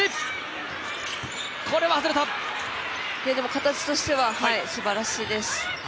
形としてはすばらしいです。